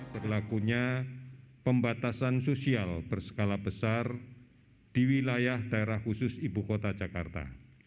berlakunya pembatasan sosial berskala besar di wilayah daerah khusus ibu kota jakarta